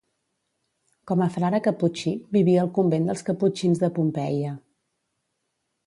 Com a frare caputxí, vivia al convent dels caputxins de Pompeia.